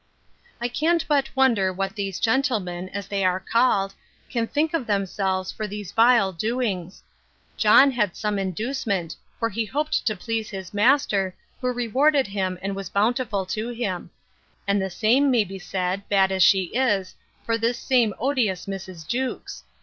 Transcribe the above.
I can't but wonder what these gentlemen, as they are called, can think of themselves for these vile doings! John had some inducement; for he hoped to please his master, who rewarded him and was bountiful to him; and the same may be said, bad as she is, for this same odious Mrs. Jewkes.